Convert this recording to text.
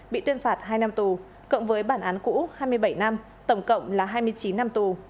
bị tuyên phạt hai năm tù cộng với bản án cũ hai mươi bảy năm tổng cộng là hai mươi chín năm tù